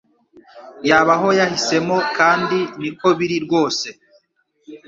Yaba aho yahisemo kandi niko biri rwose